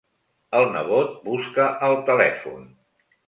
El nebot busca el telèfon.